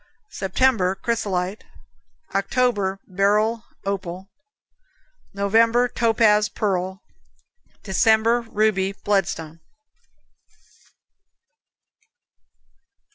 September Chrysolite. October Beryl, opal. November Topaz, pearl. December Ruby, bloodstone.